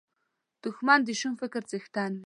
دښمن د شوم فکر څښتن وي